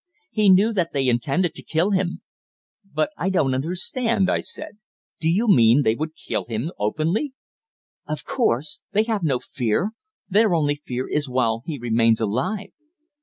He knew that they intended to kill him." "But I don't understand," I said. "Do you mean they would kill him openly?" "Of course. They have no fear. Their only fear is while he remains alive."